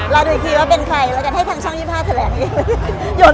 รอดูคีย์เป็นใครแล้วให้ทางช่องวิศหภัณฑ์แสดง